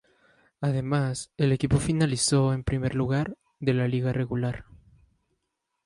Además, el equipo finalizó en primer lugar de la liga regular.